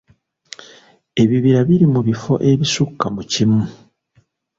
Ebibira biri mu bifo ebisukka mu kimu.